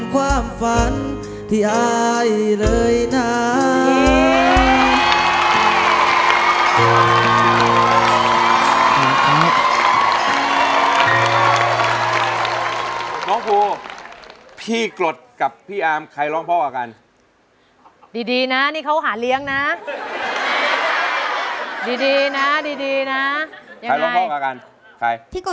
ความฝันที่อายเลยนะ